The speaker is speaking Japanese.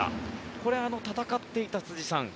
これは戦っていた辻さん